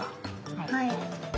はい。